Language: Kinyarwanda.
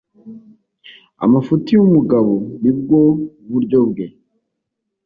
amafuti y'umugabo nibwo buryo bwe